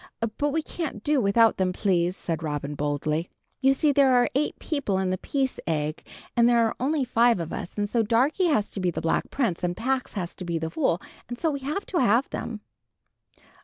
"But we can't do without them, please," said Robin, boldly. "You see there are eight people in 'The Peace Egg,' and there are only five of us; and so Darkie has to be the Black Prince, and Pax has to be the Fool, and so we have to have them."